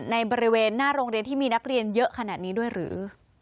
ในบริเวณหน้าโรงเรียนที่มีนักเรียนเยอะขนาดนี้ด้วยหรือ